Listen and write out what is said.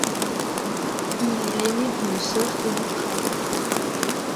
Il est l'aîné d'une sœur et un frère.